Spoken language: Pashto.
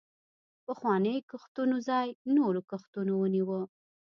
پخوانیو کښتونو ځای نورو کښتونو ونیوه.